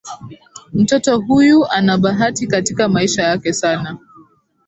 Mtoto huyu ana bahati katika maisha yake sana.